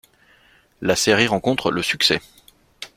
La série rencontre le succès.